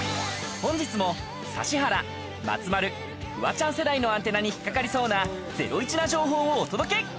本日も指原、松丸、フワちゃん世代のアンテナに引っ掛かりそうなゼロイチな情報をお届け！